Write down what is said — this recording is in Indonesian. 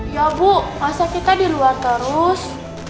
ya bu masa kita di luar terus